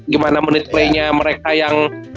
gimana menit playnya mereka yang